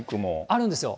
あるんですよ。